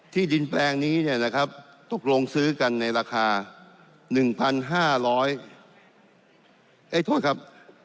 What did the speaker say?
ที่ดินแปลงนี้ตกลงซื้อกันในราคา๑๕๐๐ไม่โทษครับ